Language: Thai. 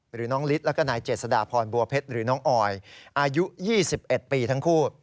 หรือน้องฤทธิ์แล้วก็นายเจษฎาพรบัวเพชรหรือน้องออยอายุ๒๑ปีทั้งคู่